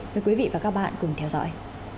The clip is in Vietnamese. mời quý vị và các bạn cùng theo dõi